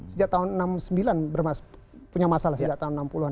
sejak tahun enam puluh sembilan punya masalah sejak tahun enam puluh an